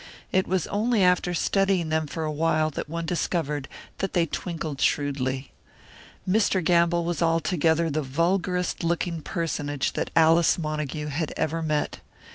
It was only after studying them for a while that one discovered that they twinkled shrewdly. Mr. Gamble was altogether the vulgarest looking personage that Alice Montague had ever met.